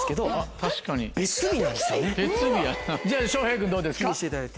別日やじゃあ翔平君どうですか？